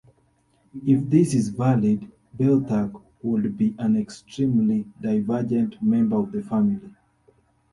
If this is valid, Beothuk would be an extremely divergent member of the family.